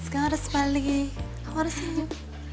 kamu harus balik kamu harus senyum